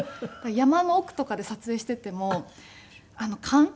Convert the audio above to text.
山の奥とかで撮影していても勘。